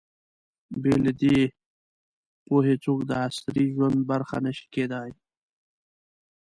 بې له دې پوهې، څوک د عصري ژوند برخه نه شي کېدای.